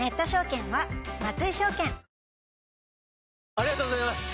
ありがとうございます！